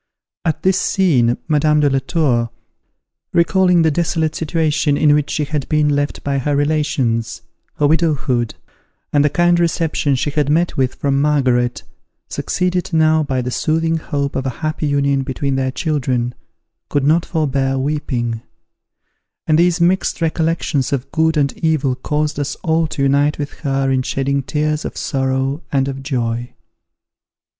At this scene, Madame de la Tour, recalling the desolate situation in which she had been left by her relations, her widowhood, and the kind reception she had met with from Margaret, succeeded now by the soothing hope of a happy union between their children, could not forbear weeping; and these mixed recollections of good and evil caused us all to unite with her in shedding tears of sorrow and of joy.